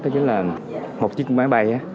đó chính là một chiếc máy bay